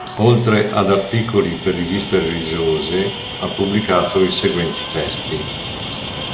Oltre ad articoli per riviste religiose, ha pubblicato i seguenti testi